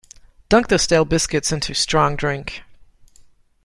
Dunk the stale biscuits into strong drink.